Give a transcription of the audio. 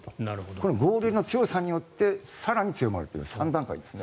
この合流の強さによって更に強まるという３段階ですね。